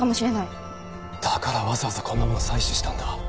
だからわざわざこんなもの採取したんだ。